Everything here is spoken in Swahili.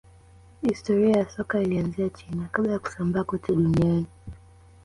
historia ya soka ilianzia china kabla ya kusambaa kote duniani